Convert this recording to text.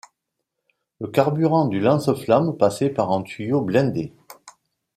Le carburant du lance-flammes passait par un tuyau blindé.